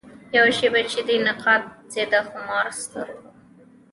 یوه شېبه چي دي نقاب سي د خمارو سترګو